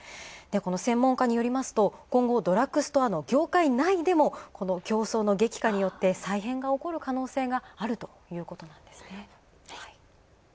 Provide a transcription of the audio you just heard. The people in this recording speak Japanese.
専門家によりますと、今後、ドラッグストアの業界内でも競争の激化によって再編が起こる可能性があるということなんですね。